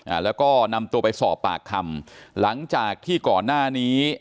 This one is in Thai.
อ่าแล้วก็นำตัวไปสอบปากคำหลังจากที่ก่อนหน้านี้